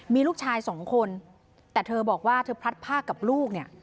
มีลูกชายสองคนแต่เธอบอกว่าเธอพลัดผ้ากับลูกเนี่ย